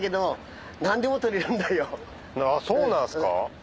そうなんすか？